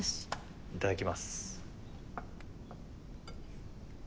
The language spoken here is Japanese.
いただきます。